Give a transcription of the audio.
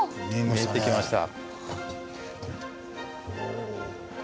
見えてきました。